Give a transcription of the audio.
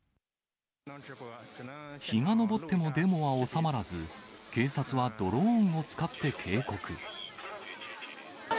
日が昇ってもデモは収まらず、警察はドローンを使って警告。